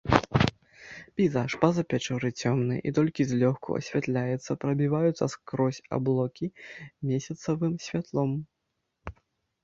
Пейзаж па-за пячоры цёмны, і толькі злёгку асвятляецца прабіваюцца скрозь аблокі месяцавым святлом.